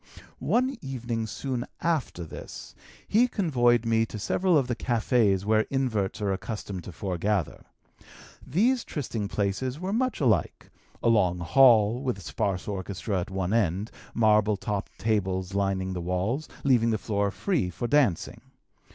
"One evening, soon after this, he convoyed me to several of the café's where inverts are accustomed to foregather. These trysting places were much alike: a long hall, with sparse orchestra at one end, marble topped tables lining the walls, leaving the floor free for dancing.